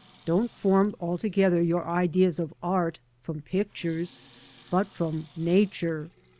Don't form altogether your ideas of Art from pictures, but from Nature.